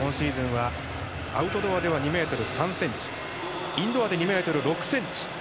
今シーズンはアウトドアでは２ｍ３ｃｍインドアで２ｍ６ｃｍ。